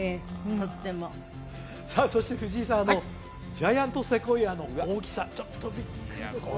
とってもさあそして藤井さんあのジャイアントセコイアの大きさちょっとびっくりですね